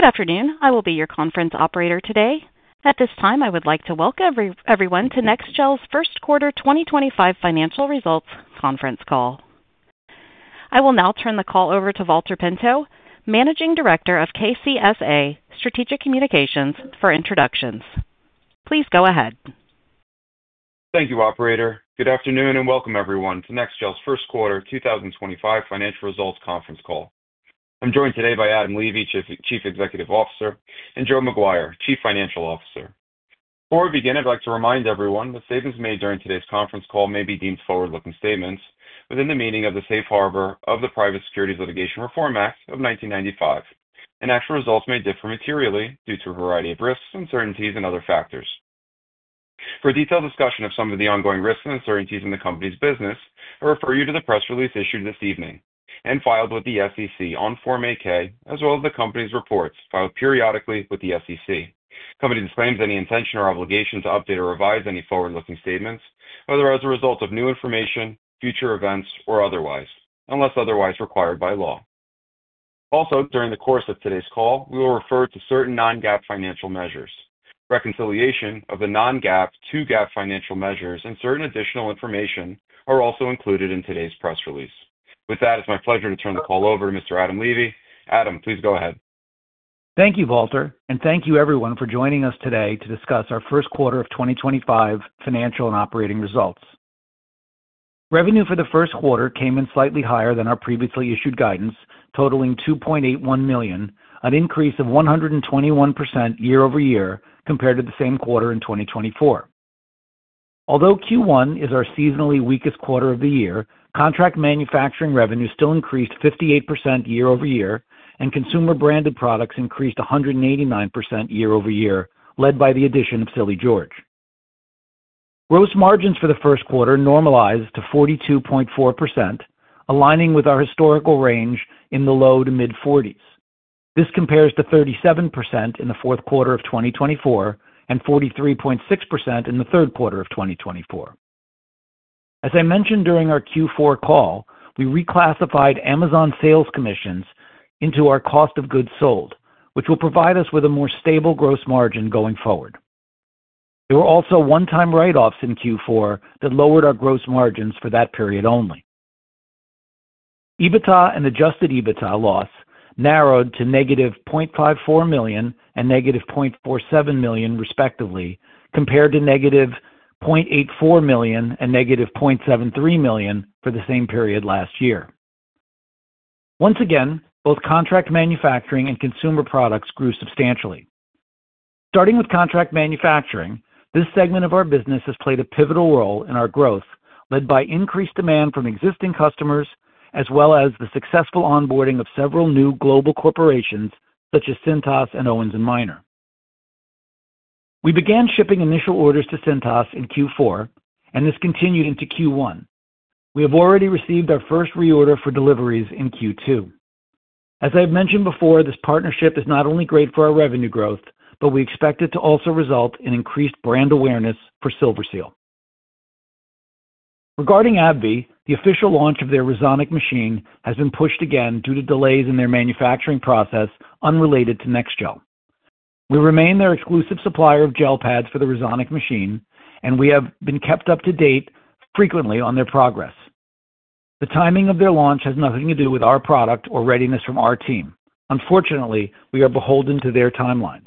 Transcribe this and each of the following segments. Good afternoon. I will be your conference operator today. At this time, I would like to welcome everyone to NEXGEL's First Quarter 2025 Financial Results Conference call. I will now turn the call over to Valter Pinto, Managing Director of KCSA Strategic Communications, for introductions. Please go ahead. Thank you, Operator. Good afternoon and welcome, everyone, to NEXGEL's first quarter 2025 financial results conference call. I'm joined today by Adam Levy, Chief Executive Officer, and Joe McGuire, Chief Financial Officer. Before we begin, I'd like to remind everyone that statements made during today's conference call may be deemed forward-looking statements within the meaning of the safe harbor of the Private Securities Litigation Reform Act of 1995, and actual results may differ materially due to a variety of risks, uncertainties, and other factors. For a detailed discussion of some of the ongoing risks and uncertainties in the company's business, I refer you to the press release issued this evening and filed with the SEC on Form 8-K, as well as the company's reports filed periodically with the SEC. The company disclaims any intention or obligation to update or revise any forward-looking statements, whether as a result of new information, future events, or otherwise, unless otherwise required by law. Also, during the course of today's call, we will refer to certain non-GAAP financial measures. Reconciliation of the non-GAAP to GAAP financial measures and certain additional information are also included in today's press release. With that, it's my pleasure to turn the call over to Mr. Adam Levy. Adam, please go ahead. Thank you, Valter, and thank you, everyone, for joining us today to discuss our first quarter of 2025 financial and operating results. Revenue for the first quarter came in slightly higher than our previously issued guidance, totaling $2.81 million, an increase of 121% year-overyear compared to the same quarter in 2024. Although Q1 is our seasonally weakest quarter of the year, contract manufacturing revenue still increased 58% year-over-year, and consumer-branded products increased 189% year over year, led by the addition of Silly George. Gross margins for the first quarter normalized to 42.4%, aligning with our historical range in the low to mid-40s. This compares to 37% in the fourth quarter of 2024 and 43.6% in the third quarter of 2024. As I mentioned during our Q4 call, we reclassified Amazon sales commissions into our cost of goods sold, which will provide us with a more stable gross margin going forward. There were also one-time write-offs in Q4 that lowered our gross margins for that period only. EBITDA and adjusted EBITDA loss narrowed to negative $0.54 million and negative $0.47 million, respectively, compared to negative $0.84 million and negative $0.73 million for the same period last year. Once again, both contract manufacturing and consumer products grew substantially. Starting with contract manufacturing, this segment of our business has played a pivotal role in our growth, led by increased demand from existing customers as well as the successful onboarding of several new global corporations such as Cintas and Owens & Minor. We began shipping initial orders to Cintas in Q4, and this continued into Q1. We have already received our first reorder for deliveries in Q2. As I've mentioned before, this partnership is not only great for our revenue growth, but we expect it to also result in increased brand awareness for Silverseal. Regarding AbbVie, the official launch of their Razonic machine has been pushed again due to delays in their manufacturing process unrelated to NEXGEL. We remain their exclusive supplier of gel pads for the Razonic machine, and we have been kept up to date frequently on their progress. The timing of their launch has nothing to do with our product or readiness from our team. Unfortunately, we are beholden to their timelines.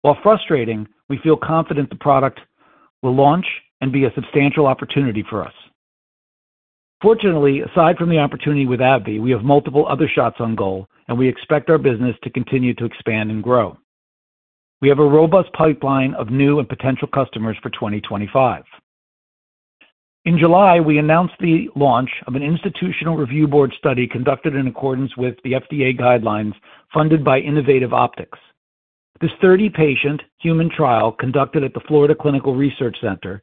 While frustrating, we feel confident the product will launch and be a substantial opportunity for us. Fortunately, aside from the opportunity with AbbVie, we have multiple other shots on goal, and we expect our business to continue to expand and grow. We have a robust pipeline of new and potential customers for 2025. In July, we announced the launch of an institutional review board study conducted in accordance with the FDA guidelines funded by Innovative Optics. This 30-patient human trial conducted at the Florida Clinical Research Center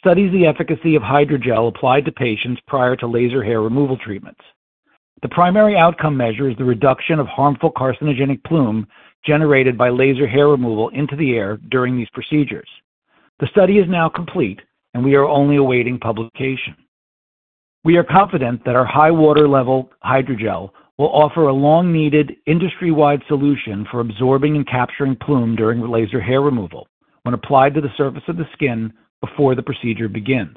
studies the efficacy of hydrogel applied to patients prior to laser hair removal treatments. The primary outcome measure is the reduction of harmful carcinogenic plume generated by laser hair removal into the air during these procedures. The study is now complete, and we are only awaiting publication. We are confident that our high-water-level hydrogel will offer a long-needed industry-wide solution for absorbing and capturing plume during laser hair removal when applied to the surface of the skin before the procedure begins.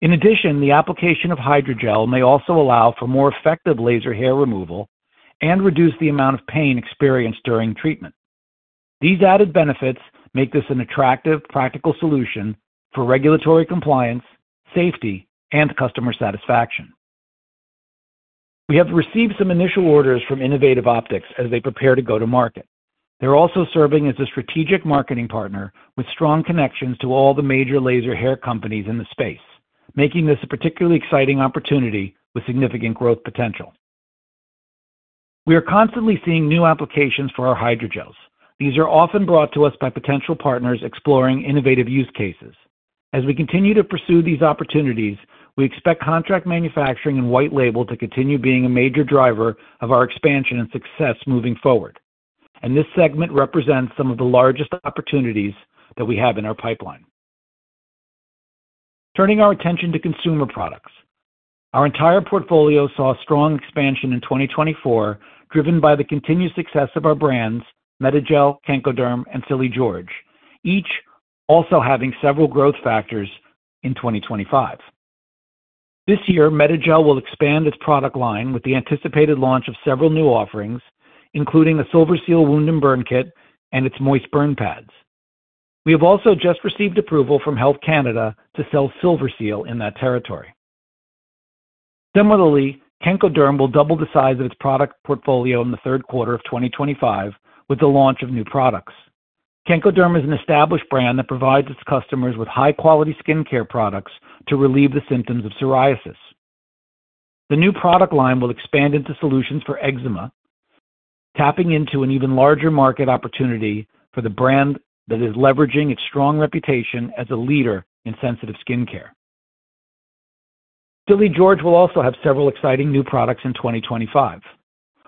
In addition, the application of hydrogel may also allow for more effective laser hair removal and reduce the amount of pain experienced during treatment. These added benefits make this an attractive, practical solution for regulatory compliance, safety, and customer satisfaction. We have received some initial orders from Innovative Optics as they prepare to go to market. They're also serving as a strategic marketing partner with strong connections to all the major laser hair companies in the space, making this a particularly exciting opportunity with significant growth potential. We are constantly seeing new applications for our hydrogels. These are often brought to us by potential partners exploring innovative use cases. As we continue to pursue these opportunities, we expect contract manufacturing and white label to continue being a major driver of our expansion and success moving forward, and this segment represents some of the largest opportunities that we have in our pipeline. Turning our attention to consumer products, our entire portfolio saw a strong expansion in 2024 driven by the continued success of our brands, Metagel, Cankoderm, and Silly George, each also having several growth factors in 2025. This year, Metagel will expand its product line with the anticipated launch of several new offerings, including the Silverseal Wound and Burn Kit and its moist burn pads. We have also just received approval from Health Canada to sell Silverseal in that territory. Similarly, Cankoderm will double the size of its product portfolio in the third quarter of 2025 with the launch of new products. Cankoderm is an established brand that provides its customers with high-quality skincare products to relieve the symptoms of psoriasis. The new product line will expand into solutions for eczema, tapping into an even larger market opportunity for the brand that is leveraging its strong reputation as a leader in sensitive skincare. Silly George will also have several exciting new products in 2025.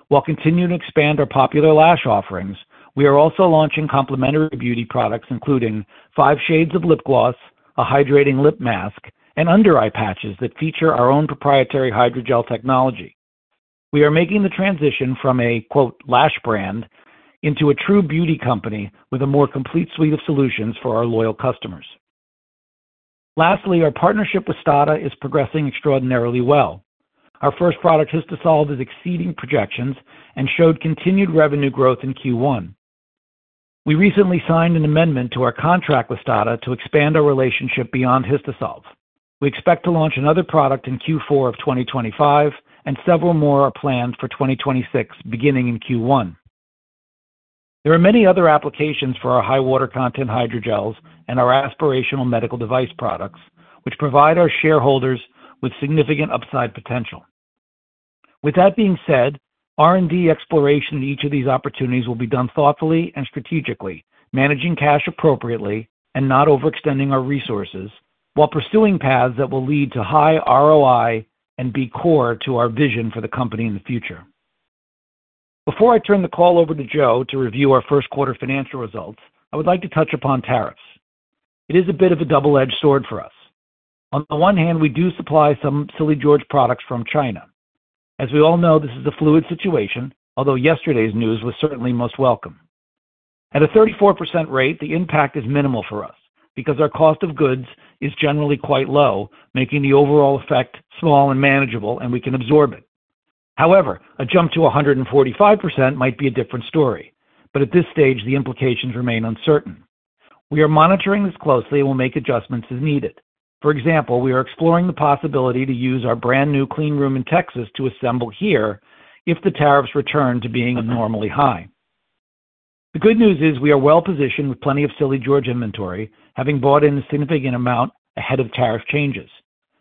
While continuing to expand our popular lash offerings, we are also launching complementary beauty products, including five shades of lip gloss, a hydrating lip mask, and under-eye patches that feature our own proprietary hydrogel technology. We are making the transition from a "lash brand" into a true beauty company with a more complete suite of solutions for our loyal customers. Lastly, our partnership with STADA is progressing extraordinarily well. Our first product, Histosolve, has exceeded projections and showed continued revenue growth in Q1. We recently signed an amendment to our contract with STADA to expand our relationship beyond Histosolve. We expect to launch another product in Q4 of 2025, and several more are planned for 2026, beginning in Q1. There are many other applications for our high-water-content hydrogels and our aspirational medical device products, which provide our shareholders with significant upside potential. With that being said, R&D exploration in each of these opportunities will be done thoughtfully and strategically, managing cash appropriately and not overextending our resources, while pursuing paths that will lead to high ROI and be core to our vision for the company in the future. Before I turn the call over to Joe to review our first quarter financial results, I would like to touch upon tariffs. It is a bit of a double-edged sword for us. On the one hand, we do supply some Silly George products from China. As we all know, this is a fluid situation, although yesterday's news was certainly most welcome. At a 34% rate, the impact is minimal for us because our cost of goods is generally quite low, making the overall effect small and manageable, and we can absorb it. However, a jump to 145% might be a different story, but at this stage, the implications remain uncertain. We are monitoring this closely and will make adjustments as needed. For example, we are exploring the possibility to use our brand new clean room in Texas to assemble here if the tariffs return to being abnormally high. The good news is we are well-positioned with plenty of Silly George inventory, having bought in a significant amount ahead of tariff changes.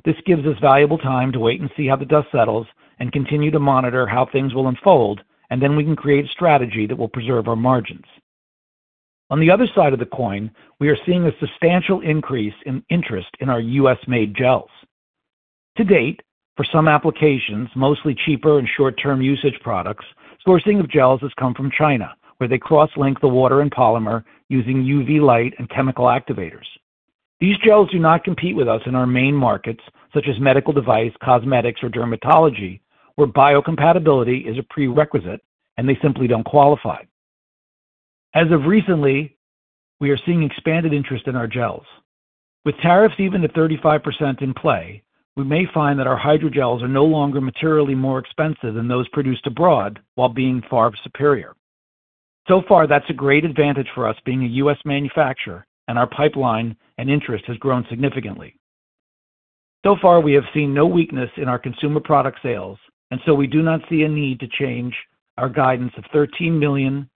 This gives us valuable time to wait and see how the dust settles and continue to monitor how things will unfold, and then we can create a strategy that will preserve our margins. On the other side of the coin, we are seeing a substantial increase in interest in our U.S.-made gels. To date, for some applications, mostly cheaper and short-term usage products, sourcing of gels has come from China, where they cross-link the water and polymer using UV light and chemical activators. These gels do not compete with us in our main markets, such as medical device, cosmetics, or dermatology, where biocompatibility is a prerequisite, and they simply do not qualify. As of recently, we are seeing expanded interest in our gels. With tariffs even to 35% in play, we may find that our hydrogels are no longer materially more expensive than those produced abroad while being far superior. That is a great advantage for us being a U.S. manufacturer, and our pipeline and interest have grown significantly. We have seen no weakness in our consumer product sales, and we do not see a need to change our guidance of $13 million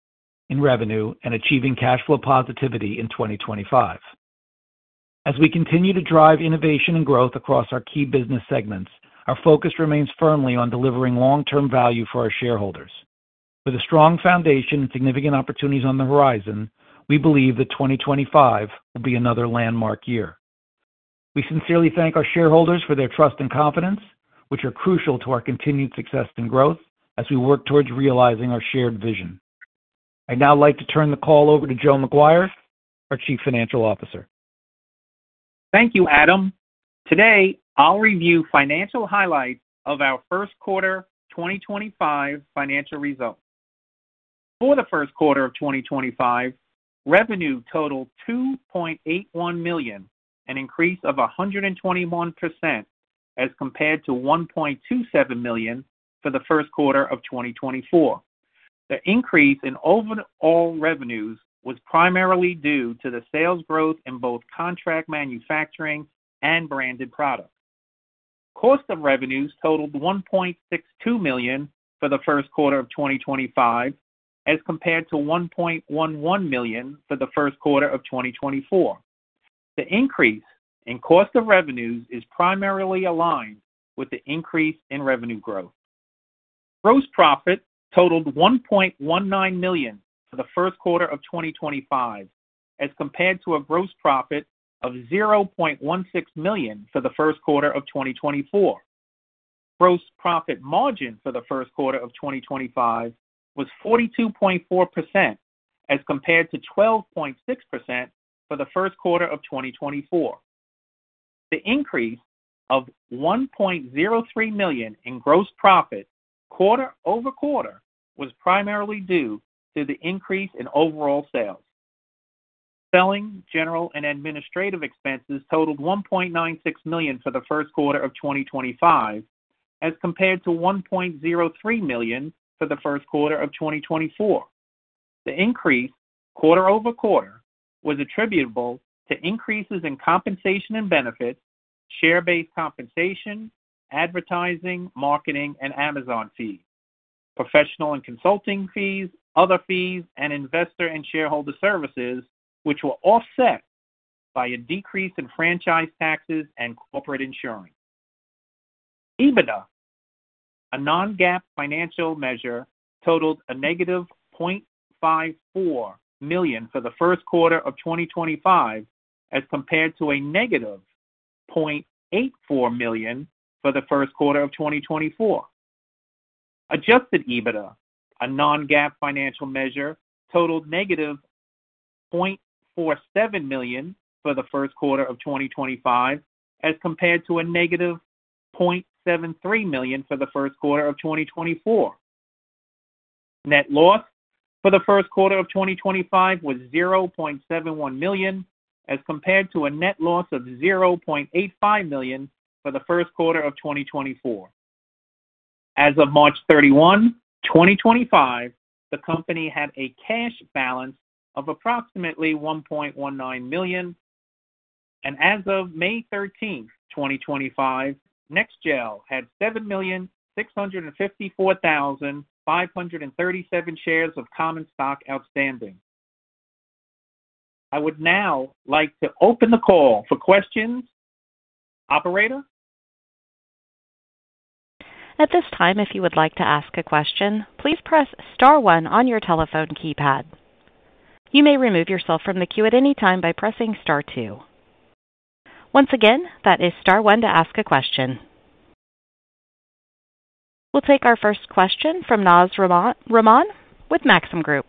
in revenue and achieving cash flow positivity in 2025. As we continue to drive innovation and growth across our key business segments, our focus remains firmly on delivering long-term value for our shareholders. With a strong foundation and significant opportunities on the horizon, we believe that 2025 will be another landmark year. We sincerely thank our shareholders for their trust and confidence, which are crucial to our continued success and growth as we work towards realizing our shared vision. I would now like to turn the call over to Joe McGuire, our Chief Financial Officer. Thank you, Adam. Today, I'll review financial highlights of our first quarter 2025 financial results. For the first quarter of 2025, revenue totaled $2.81 million, an increase of 121% as compared to $1.27 million for the first quarter of 2024. The increase in overall revenues was primarily due to the sales growth in both contract manufacturing and branded products. Cost of revenues totaled $1.62 million for the first quarter of 2025 as compared to $1.11 million for the first quarter of 2024. The increase in cost of revenues is primarily aligned with the increase in revenue growth. Gross profit totaled $1.19 million for the first quarter of 2025 as compared to a gross profit of $0.16 million for the first quarter of 2024. Gross profit margin for the first quarter of 2025 was 42.4% as compared to 12.6% for the first quarter of 2024. The increase of $1.03 million in gross profit quarter over quarter was primarily due to the increase in overall sales. Selling, general, and administrative expenses totaled $1.96 million for the first quarter of 2025 as compared to $1.03 million for the first quarter of 2024. The increase quarter over quarter was attributable to increases in compensation and benefits, share-based compensation, advertising, marketing, and Amazon fees, professional and consulting fees, other fees, and investor and shareholder services, which were offset by a decrease in franchise taxes and corporate insurance. EBITDA, a non-GAAP financial measure, totaled a negative $0.54 million for the first quarter of 2025 as compared to a negative $0.84 million for the first quarter of 2024. Adjusted EBITDA, a non-GAAP financial measure, totaled negative $0.47 million for the first quarter of 2025 as compared to a negative $0.73 million for the first quarter of 2024. Net loss for the first quarter of 2025 was $0.71 million as compared to a net loss of $0.85 million for the first quarter of 2024. As of March 31, 2025, the company had a cash balance of approximately $1.19 million, and as of May 13, 2025, NEXGEL had 7,654,537 shares of common stock outstanding. I would now like to open the call for questions. Operator? At this time, if you would like to ask a question, please press Star 1 on your telephone keypad. You may remove yourself from the queue at any time by pressing Star 2. Once again, that is Star 1 to ask a question. We'll take our first question from Naz Rahman with Maxim Group.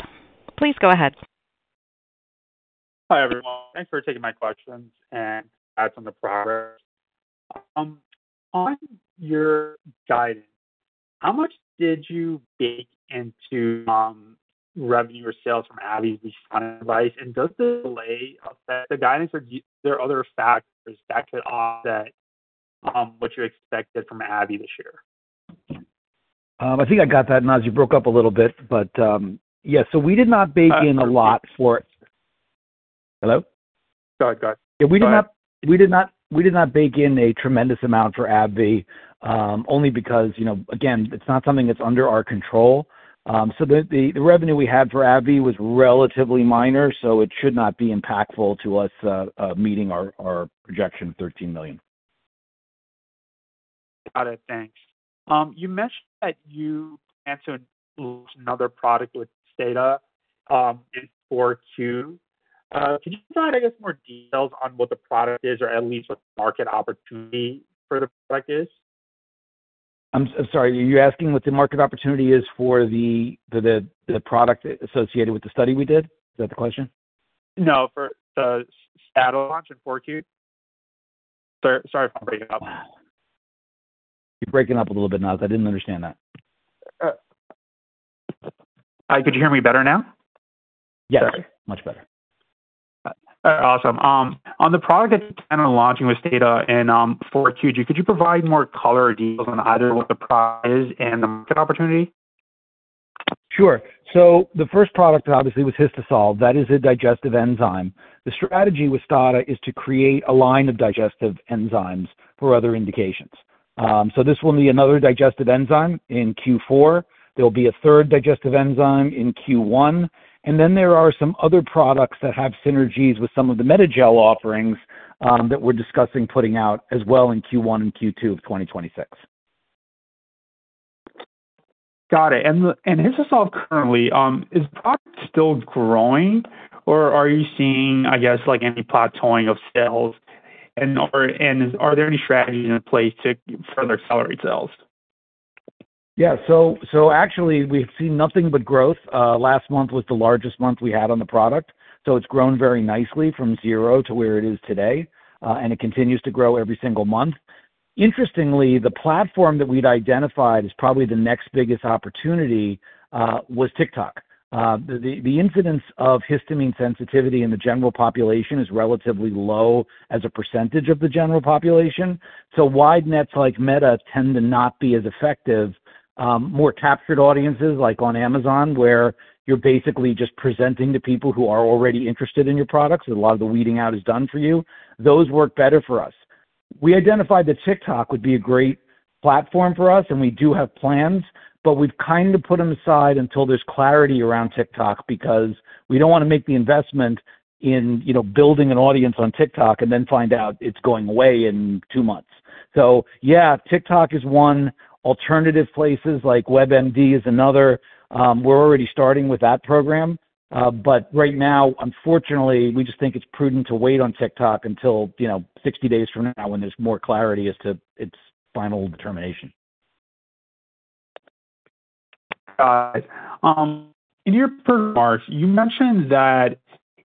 Please go ahead. Hi, everyone. Thanks for taking my questions and adding some of the progress. On your guidance, how much did you bake into revenue or sales from AbbVie's design advice? Does the delay affect the guidance, or are there other factors that could offset what you expected from AbbVie this year? I think I got that. Naz, you broke up a little bit, but yeah. We did not bake in a lot for hello? Go ahead. Go ahead. Yeah. We did not bake in a tremendous amount for AbbVie only because, again, it's not something that's under our control. So the revenue we had for AbbVie was relatively minor, so it should not be impactful to us meeting our projection of $13 million. Got it. Thanks. You mentioned that you had some looks on another product with STADA in quarter two. Could you provide, I guess, more details on what the product is or at least what the market opportunity for the product is? I'm sorry. Are you asking what the market opportunity is for the product associated with the study we did? Is that the question? No. For the STADA launch in quarter two. Sorry if I'm breaking up. You're breaking up a little bit, Naz. I didn't understand that. Can you hear me better now? Yes. Much better. Awesome. On the product that you're kind of launching with STADA in quarter two, could you provide more color or details on either what the product is and the market opportunity? Sure. The first product, obviously, was Histosolve. That is a digestive enzyme. The strategy with STADA is to create a line of digestive enzymes for other indications. This will be another digestive enzyme in Q4. There will be a third digestive enzyme in Q1. There are some other products that have synergies with some of the Metagel offerings that we are discussing putting out as well in Q1 and Q2 of 2026. Got it. Is Histosolve currently, is the product still growing, or are you seeing, I guess, any plateauing of sales? Are there any strategies in place to further accelerate sales? Yeah. Actually, we've seen nothing but growth. Last month was the largest month we had on the product. It's grown very nicely from zero to where it is today, and it continues to grow every single month. Interestingly, the platform that we'd identified as probably the next biggest opportunity was TikTok. The incidence of histamine sensitivity in the general population is relatively low as a percentage of the general population. Wide nets like Meta tend to not be as effective. More captured audiences, like on Amazon, where you're basically just presenting to people who are already interested in your products, and a lot of the weeding out is done for you, those work better for us. We identified that TikTok would be a great platform for us, and we do have plans, but we've kind of put them aside until there's clarity around TikTok because we don't want to make the investment in building an audience on TikTok and then find out it's going away in two months. Yeah, TikTok is one. Alternative places like WebMD is another. We're already starting with that program. Right now, unfortunately, we just think it's prudent to wait on TikTok until 60 days from now when there's more clarity as to its final determination. Got it. In your remarks, you mentioned that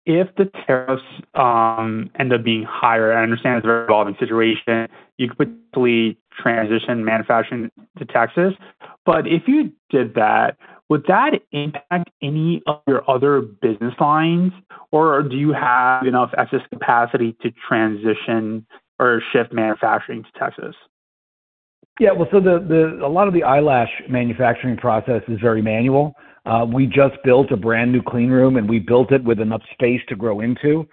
if the tariffs end up being higher, I understand it's a revolving situation, you could potentially transition manufacturing to Texas. If you did that, would that impact any of your other business lines, or do you have enough excess capacity to transition or shift manufacturing to Texas? Yeah. A lot of the eyelash manufacturing process is very manual. We just built a brand new clean room, and we built it with enough space to grow into,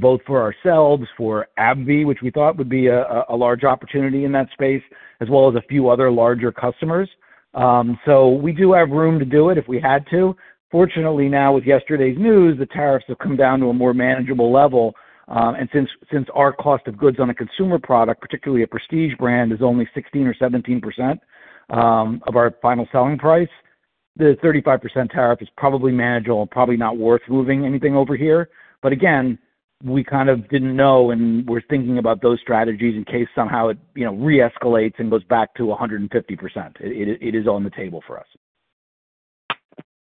both for ourselves, for AbbVie, which we thought would be a large opportunity in that space, as well as a few other larger customers. We do have room to do it if we had to. Fortunately, now with yesterday's news, the tariffs have come down to a more manageable level. Since our cost of goods on a consumer product, particularly a prestige brand, is only 16% or 17% of our final selling price, the 35% tariff is probably manageable and probably not worth moving anything over here. Again, we kind of did not know, and we were thinking about those strategies in case somehow it re-escalates and goes back to 150%. It is on the table for us.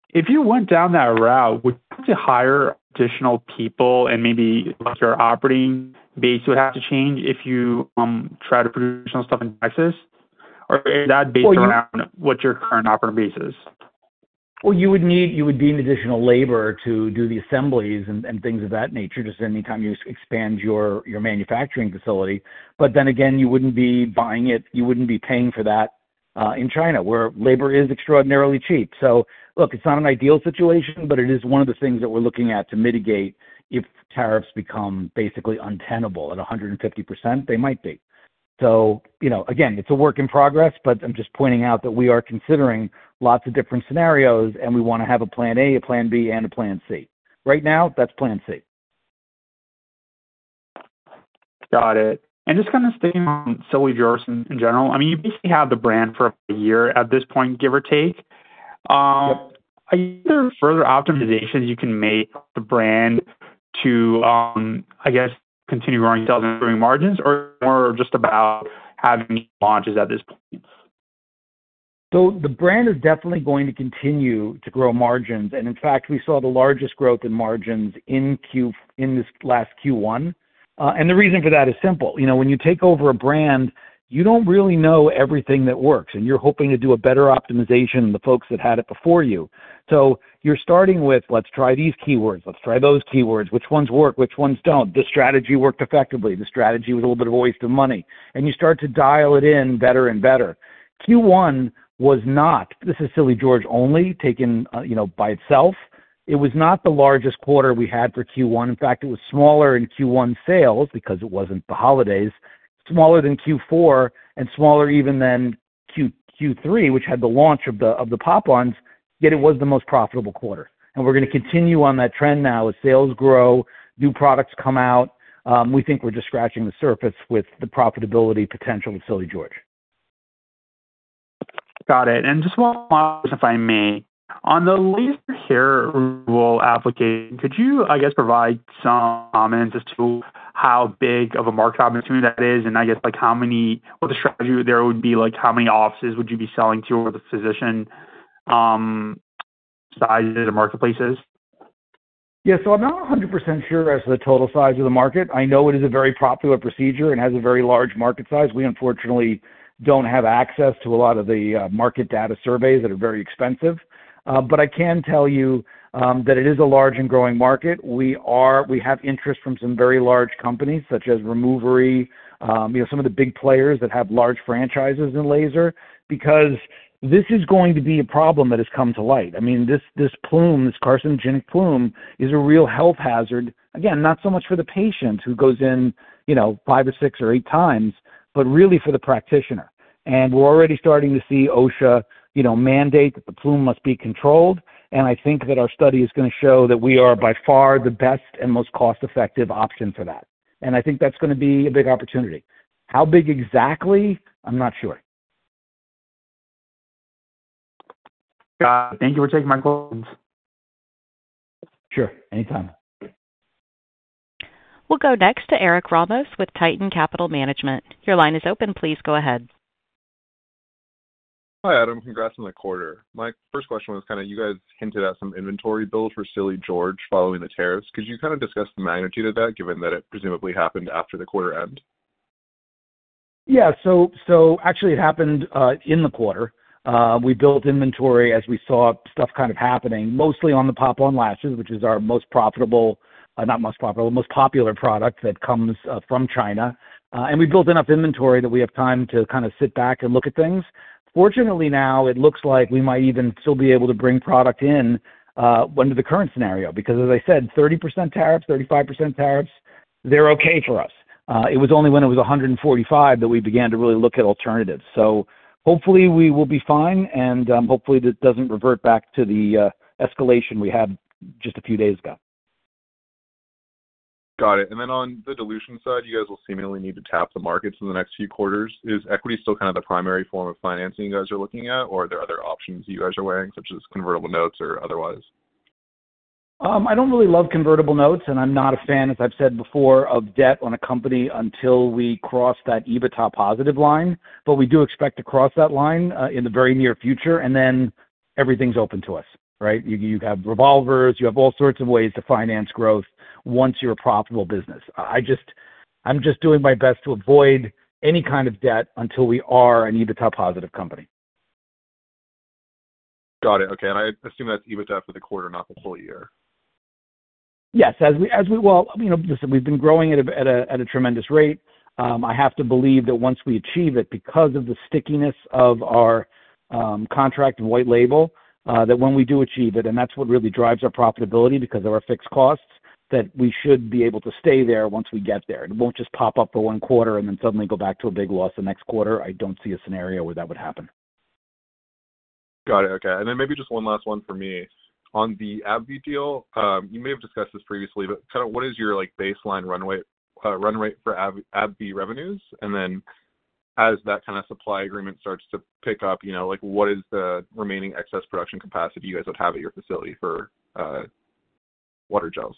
If you went down that route, would you have to hire additional people and maybe your operating base would have to change if you tried to produce more stuff in Texas? Or is that based around what your current operating base is? You would need additional labor to do the assemblies and things of that nature just anytime you expand your manufacturing facility. Then again, you would not be paying for that in China, where labor is extraordinarily cheap. Look, it is not an ideal situation, but it is one of the things that we are looking at to mitigate if tariffs become basically untenable at 150%. They might be. Again, it is a work in progress, but I am just pointing out that we are considering lots of different scenarios, and we want to have a plan A, a plan B, and a plan C. Right now, that is plan C. Got it. And just kind of staying on Silly George in general, I mean, you basically have the brand for a year at this point, give or take. Are there further optimizations you can make with the brand to, I guess, continue growing sales and improving margins, or is it more just about having launches at this point? The brand is definitely going to continue to grow margins. In fact, we saw the largest growth in margins in this last Q1. The reason for that is simple. When you take over a brand, you do not really know everything that works, and you are hoping to do a better optimization than the folks that had it before you. You are starting with, "Let's try these keywords. Let's try those keywords. Which ones work? Which ones do not?" The strategy worked effectively. The strategy was a little bit of a waste of money. You start to dial it in better and better. Q1 was not—this is Silly George only taken by itself—it was not the largest quarter we had for Q1. In fact, it was smaller in Q1 sales because it wasn't the holidays, smaller than Q4, and smaller even than Q3, which had the launch of the Pop-ons. Yet it was the most profitable quarter. We're going to continue on that trend now as sales grow, new products come out. We think we're just scratching the surface with the profitability potential of Silly George. Got it. Just one last question, if I may. On the laser care rule application, could you, I guess, provide some comments as to how big of a market opportunity that is and, I guess, what the strategy there would be? How many offices would you be selling to or the physician sizes or marketplaces? Yeah. So I'm not 100% sure as to the total size of the market. I know it is a very popular procedure and has a very large market size. We, unfortunately, don't have access to a lot of the market data surveys that are very expensive. But I can tell you that it is a large and growing market. We have interest from some very large companies such as Removery, some of the big players that have large franchises in laser because this is going to be a problem that has come to light. I mean, this plume, this carcinogenic plume, is a real health hazard. Again, not so much for the patient who goes in five or six or eight times, but really for the practitioner. And we're already starting to see OSHA mandate that the plume must be controlled. I think that our study is going to show that we are by far the best and most cost-effective option for that. I think that's going to be a big opportunity. How big exactly? I'm not sure. Got it. Thank you for taking my questions. Sure. Anytime. We'll go next to Eric Ramos with Titan Capital Management. Your line is open. Please go ahead. Hi, Adam. Congrats on the quarter. My first question was kind of you guys hinted at some inventory builds for Silly George following the tariffs. Could you kind of discuss the magnitude of that, given that it presumably happened after the quarter end? Yeah. Actually, it happened in the quarter. We built inventory as we saw stuff kind of happening, mostly on the pop-on lashes, which is our most profitable—not most profitable—most popular product that comes from China. We built enough inventory that we have time to kind of sit back and look at things. Fortunately, now it looks like we might even still be able to bring product in under the current scenario because, as I said, 30% tariffs, 35% tariffs, they're okay for us. It was only when it was 145% that we began to really look at alternatives. Hopefully, we will be fine, and hopefully, this does not revert back to the escalation we had just a few days ago. Got it. On the dilution side, you guys will seemingly need to tap the markets in the next few quarters. Is equity still kind of the primary form of financing you guys are looking at, or are there other options you guys are weighing, such as convertible notes or otherwise? I don't really love convertible notes, and I'm not a fan, as I've said before, of debt on a company until we cross that EBITDA positive line. We do expect to cross that line in the very near future, and then everything's open to us, right? You have revolvers. You have all sorts of ways to finance growth once you're a profitable business. I'm just doing my best to avoid any kind of debt until we are an EBITDA positive company. Got it. Okay. I assume that's EBITDA for the quarter, not the full year. Yes. Listen, we've been growing at a tremendous rate. I have to believe that once we achieve it, because of the stickiness of our contract and white label, that when we do achieve it—and that's what really drives our profitability because of our fixed costs—that we should be able to stay there once we get there. It won't just pop up for one quarter and then suddenly go back to a big loss the next quarter. I don't see a scenario where that would happen. Got it. Okay. Maybe just one last one for me. On the AbbVie deal, you may have discussed this previously, but kind of what is your baseline run rate for AbbVie revenues? As that kind of supply agreement starts to pick up, what is the remaining excess production capacity you guys would have at your facility for water gels?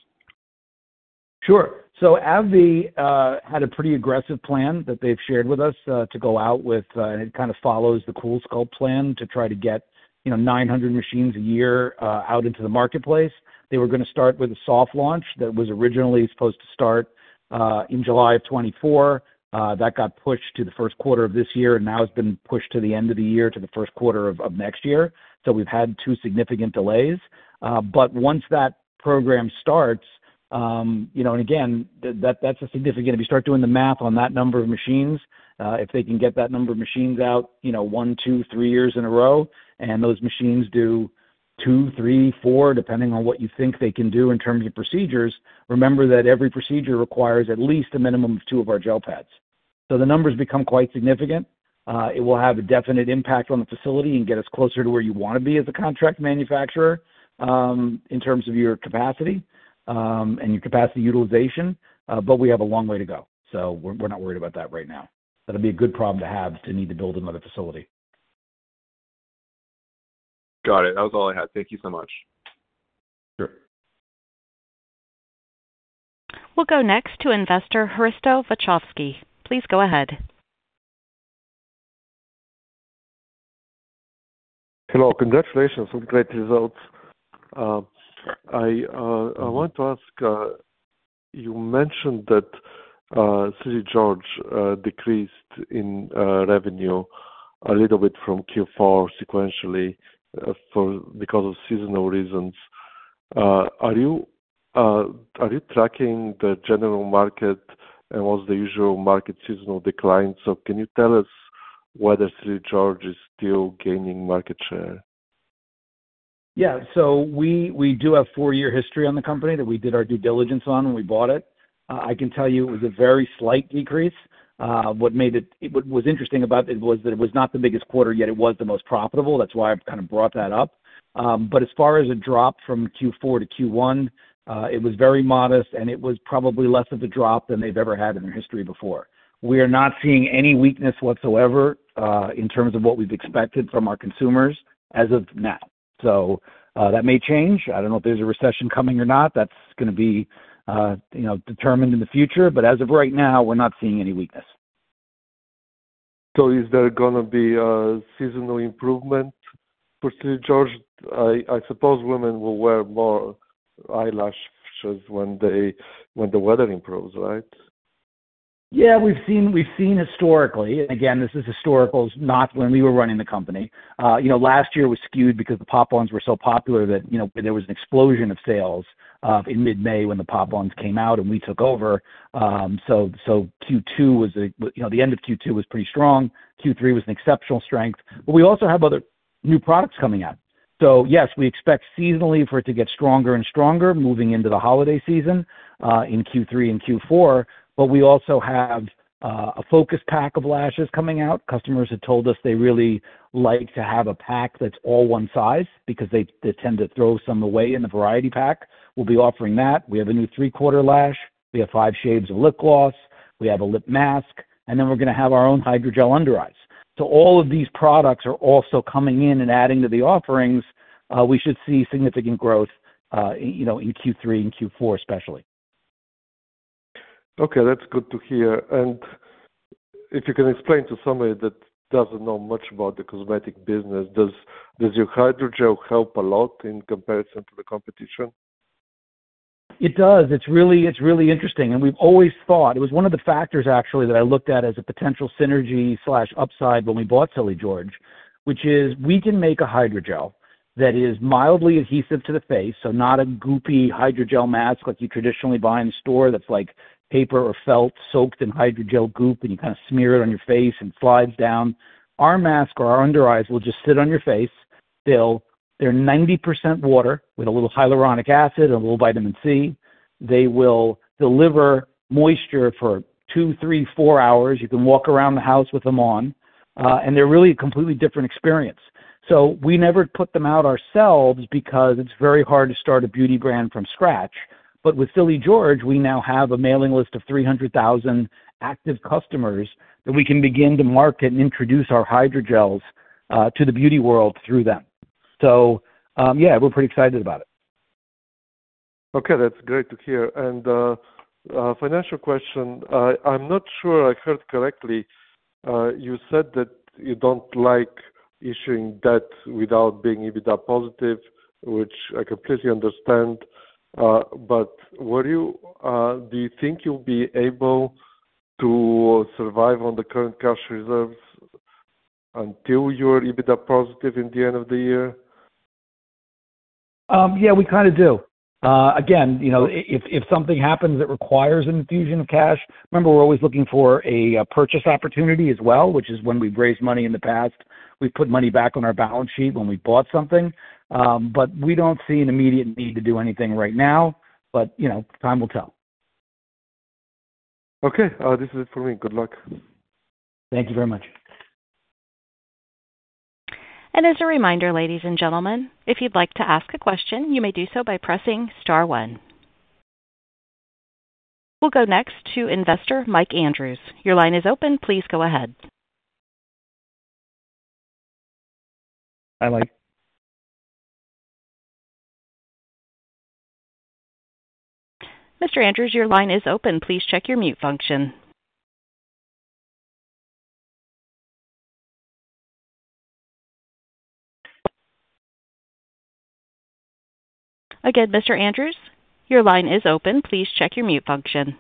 Sure. AbbVie had a pretty aggressive plan that they've shared with us to go out with. It kind of follows the CoolSculpt plan to try to get 900 machines a year out into the marketplace. They were going to start with a soft launch that was originally supposed to start in July of 2024. That got pushed to the first quarter of this year, and now it's been pushed to the end of the year to the first quarter of next year. We've had two significant delays. Once that program starts—again, that's a significant—if you start doing the math on that number of machines, if they can get that number of machines out one, two, three years in a row, and those machines do two, three, four, depending on what you think they can do in terms of procedures, remember that every procedure requires at least a minimum of two of our gel pads. The numbers become quite significant. It will have a definite impact on the facility and get us closer to where you want to be as a contract manufacturer in terms of your capacity and your capacity utilization. We have a long way to go. We're not worried about that right now. That'll be a good problem to have to need to build another facility. Got it. That was all I had. Thank you so much. Sure. We'll go next to investor Hristo Vachovsky. Please go ahead. Hello. Congratulations on great results. I want to ask, you mentioned that Silly George decreased in revenue a little bit from Q4 sequentially because of seasonal reasons. Are you tracking the general market, and was the usual market seasonal decline? Can you tell us whether Silly George is still gaining market share? Yeah. So we do have four-year history on the company that we did our due diligence on when we bought it. I can tell you it was a very slight decrease. What made it—what was interesting about it was that it was not the biggest quarter yet. It was the most profitable. That's why I kind of brought that up. As far as a drop from Q4 to Q1, it was very modest, and it was probably less of a drop than they've ever had in their history before. We are not seeing any weakness whatsoever in terms of what we've expected from our consumers as of now. That may change. I don't know if there's a recession coming or not. That's going to be determined in the future. As of right now, we're not seeing any weakness. Is there going to be a seasonal improvement for Silly George? I suppose women will wear more eyelashes when the weather improves, right? Yeah. We've seen historically—and again, this is historical, not when we were running the company. Last year, we skewed because the Pop-ons were so popular that there was an explosion of sales in mid-May when the Pop-ons came out and we took over. Q2 was the end of Q2 was pretty strong. Q3 was an exceptional strength. We also have other new products coming out. Yes, we expect seasonally for it to get stronger and stronger moving into the holiday season in Q3 and Q4. We also have a focus pack of lashes coming out. Customers have told us they really like to have a pack that's all one size because they tend to throw some away in the variety pack. We'll be offering that. We have a new three-quarter lash. We have five shades of lip gloss. We have a lip mask. We're going to have our own hydrogel under eyes. All of these products are also coming in and adding to the offerings. We should see significant growth in Q3 and Q4 especially. Okay. That's good to hear. If you can explain to somebody that doesn't know much about the cosmetic business, does your hydrogel help a lot in comparison to the competition? It does. It's really interesting. We've always thought it was one of the factors, actually, that I looked at as a potential synergy/upside when we bought Silly George, which is we can make a hydrogel that is mildly adhesive to the face. Not a goopy hydrogel mask like you traditionally buy in the store that's like paper or felt soaked in hydrogel goop, and you kind of smear it on your face and it slides down. Our mask or our under eyes will just sit on your face still. They're 90% water with a little hyaluronic acid and a little vitamin C. They will deliver moisture for two, three, four hours. You can walk around the house with them on. They're really a completely different experience. We never put them out ourselves because it's very hard to start a beauty brand from scratch. With Silly George, we now have a mailing list of 300,000 active customers that we can begin to market and introduce our hydrogels to the beauty world through them. Yeah, we're pretty excited about it. Okay. That's great to hear. Financial question, I'm not sure I heard correctly. You said that you don't like issuing debt without being EBITDA positive, which I completely understand. Do you think you'll be able to survive on the current cash reserves until you're EBITDA positive in the end of the year? Yeah, we kind of do. Again, if something happens that requires an infusion of cash, remember, we're always looking for a purchase opportunity as well, which is when we've raised money in the past. We've put money back on our balance sheet when we bought something. We don't see an immediate need to do anything right now. Time will tell. Okay. This is it for me. Good luck. Thank you very much. As a reminder, ladies and gentlemen, if you'd like to ask a question, you may do so by pressing star one. We'll go next to investor Mike Andrews. Your line is open. Please go ahead. Hi, Mike. Mr. Andrews, your line is open. Please check your mute function. Again, Mr. Andrews, your line is open. Please check your mute function.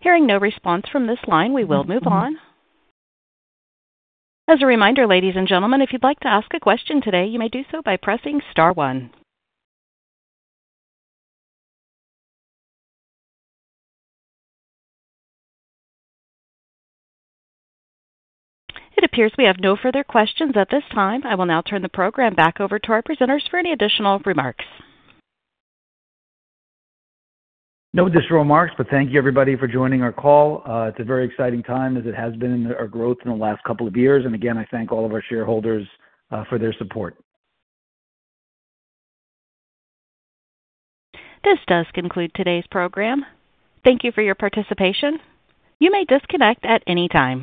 Hearing no response from this line, we will move on. As a reminder, ladies and gentlemen, if you'd like to ask a question today, you may do so by pressing star one. It appears we have no further questions at this time. I will now turn the program back over to our presenters for any additional remarks. No additional remarks, but thank you, everybody, for joining our call. It's a very exciting time as it has been in our growth in the last couple of years. I thank all of our shareholders for their support. This does conclude today's program. Thank you for your participation. You may disconnect at any time.